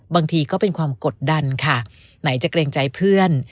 บางทีก็เป็นความกดดันค่ะไหนจะเกรงใจเพื่อน